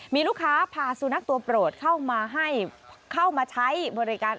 มีลูกค้าพาสุนัขตัวโปรดเข้ามาให้เข้ามาใช้บริการ